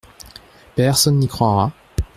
Personne n’y croira.